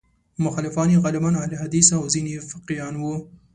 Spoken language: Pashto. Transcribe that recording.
مخالفان یې غالباً اهل حدیث او ځینې فقیهان وو.